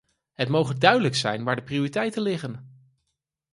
Het moge duidelijk zijn waar de prioriteiten liggen.